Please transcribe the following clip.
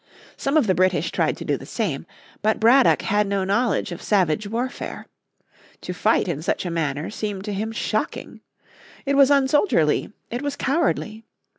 Some of the British tried to do the same. But Braddock had no knowledge of savage warfare. To fight in such a manner seemed to him shocking. It was unsoldierly; it was cowardly.